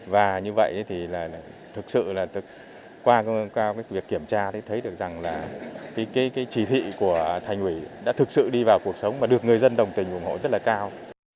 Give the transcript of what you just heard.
và như vậy thì thực sự là qua việc kiểm tra thấy được rằng là cái chỉ thị của thành quỷ đã thực sự đi vào cuộc sống và được người dân đồng tình ủng hộ rất là cao